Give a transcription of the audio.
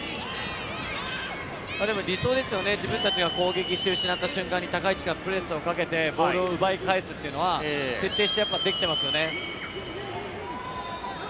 理想ですよね、自分たちが攻撃して失った瞬間に高い位置からプレスをかけてボールを奪い返すというのは徹底してやっぱりできてますよね。